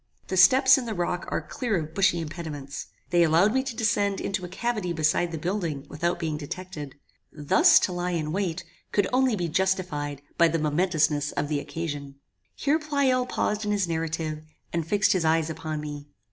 The steps in the rock are clear of bushy impediments. They allowed me to descend into a cavity beside the building without being detected. Thus to lie in wait could only be justified by the momentousness of the occasion." Here Pleyel paused in his narrative, and fixed his eyes upon me.